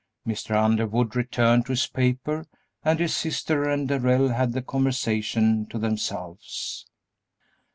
Mr. Underwood returned to his paper and his sister and Darrell had the conversation to themselves.